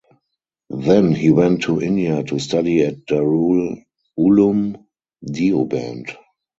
Then he went to India to study at Darul Ulum Deoband.